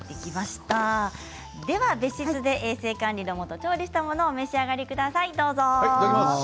では別室で衛生管理のもと調理したものをお召し上がりください。